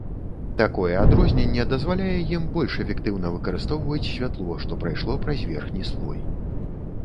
Такое адрозненне дазваляе ім больш эфектыўна выкарыстоўваць святло, што прайшло праз верхні слой.